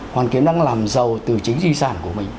hoàn kiếm đang làm giàu từ chính di sản của mình